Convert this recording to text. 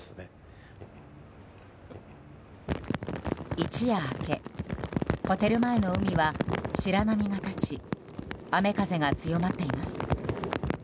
一夜明けホテル前の海は白波が立ち雨風が強まっています。